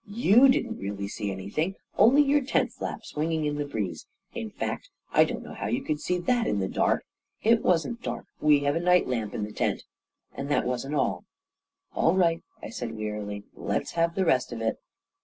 You didn't really see anything — only your tent flap swinging in the breeze ; in fact, I don't know how you could pee that in the dark ..."" It wasn't dark — we have a night lamp in the tent. And that wasn't all." II All right," I said, wearily; " let's have the rest of it."